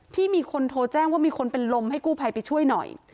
ที่มีคนโทรแจ้งว่ามีคนเป็นลมให้กู้ภัยไปช่วยหน่อย